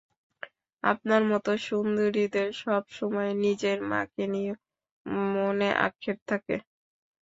আপনার মতো সুন্দরীদের সবসময়ে নিজের মাকে নিয়ে মনে আক্ষেপ থাকে।